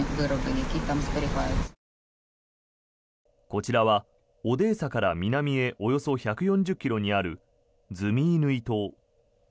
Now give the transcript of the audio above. こちらはオデーサから南へおよそ１４０ｋｍにあるズミイヌイ島。